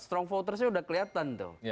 strong votersnya udah kelihatan tuh